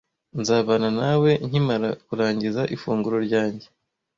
Nzabana nawe nkimara kurangiza ifunguro ryanjye.